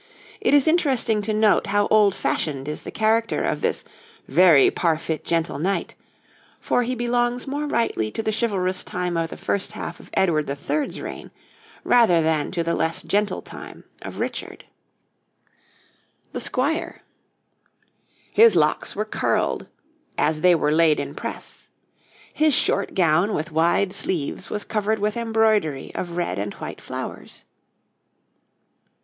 It is interesting to note how old fashioned is the character of this 'verray parfit gentil knight,' for he belongs more rightly to the chivalrous time of the first half of Edward III.'s reign rather than to the less gentle time of Richard. [Illustration: {The squire}] THE SQUIRE. His locks were curled, 'as they were leyed in presse.' His short gown with wide sleeves was covered with embroidery of red and white flowers.